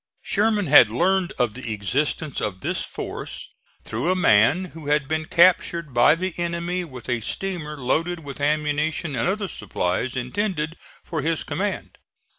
Sherman had learned of the existence of this force through a man who had been captured by the enemy with a steamer loaded with ammunition and other supplies intended for his command.